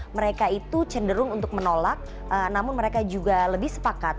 mereka itu cenderung untuk menolak namun mereka juga lebih sepakat